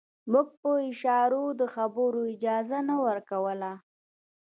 موږ په اشارو د خبرو اجازه نه ورکوله.